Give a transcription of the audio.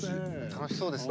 楽しそうですね。